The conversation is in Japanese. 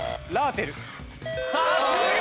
さすが！